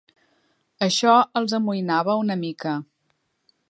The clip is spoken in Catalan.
Això els amoïnava una mica